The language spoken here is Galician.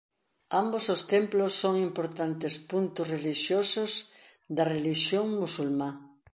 Ambos os templos son importantes puntos relixiosos da relixión musulmá.